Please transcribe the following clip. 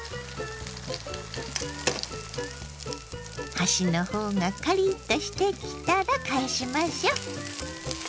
端の方がカリッとしてきたら返しましょ。